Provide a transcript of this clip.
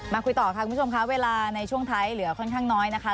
คุยต่อค่ะคุณผู้ชมค่ะเวลาในช่วงท้ายเหลือค่อนข้างน้อยนะคะ